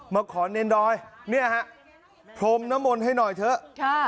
มาขอเน้นดอยนี่เหรอครับพรุ่มน้ำมนต์ให้หน่อยเถอะ